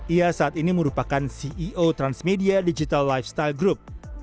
ia saat ini merupakan ceo transmedia digital lifestyle group